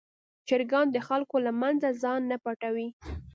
چرګان د خلکو له منځه ځان نه پټوي.